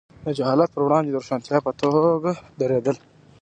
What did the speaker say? د جهالت پر وړاندې د روښانتیا په توګه درېدل.